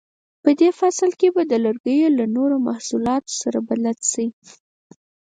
په دې فصل کې به د لرګیو له نورو محصولاتو سره بلد شئ.